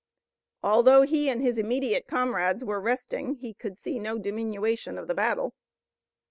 Although he and his immediate comrades were resting he could see no diminution of the battle.